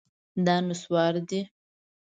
دا نسواري ده